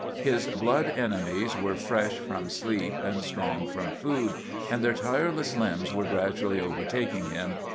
His blood enemies were fresh from sleep and strong from food, and their tireless limbs were gradually overtaking him.